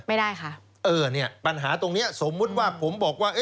ไม่ได้ค่ะเออเนี่ยปัญหาตรงเนี้ยสมมุติว่าผมบอกว่า